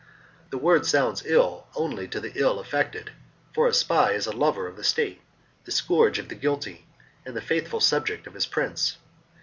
The word sounds ill only to the ill affected; for a spy is a lover of the state, the scourge of the guilty, and faithful subject of his prince.